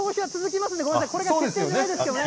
これが決定じゃないですけどね。